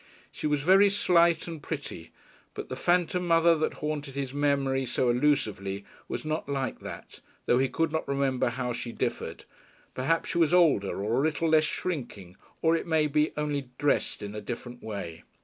She was very slight and pretty. But the phantom mother that haunted his memory so elusively was not like that, though he could not remember how she differed. Perhaps she was older, or a little less shrinking, or, it may be, only dressed in a different way....